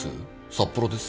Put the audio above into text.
札幌です。